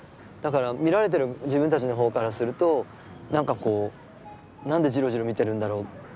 だから見られてる自分たちの方からするとなんかこうなんでジロジロ見てるんだろう。